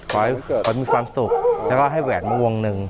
ขอให้มีความสุขแล้วก็ให้แหวนมาวงหนึ่ง